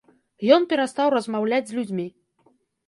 Ён перастаў размаўляць з людзьмі.